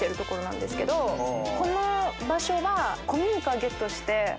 この場所は。